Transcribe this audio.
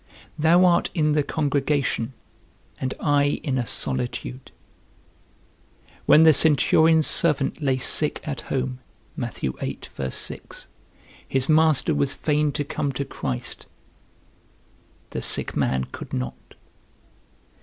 Thou art in the congregation, and I in a solitude: when the centurion's servant lay sick at home, his master was fain to come to Christ; the sick man could not.